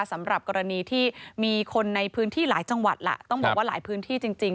สำหรับกรณีที่มีคนในพื้นที่หลายจังหวัดล่ะต้องบอกว่าหลายพื้นที่จริงจริง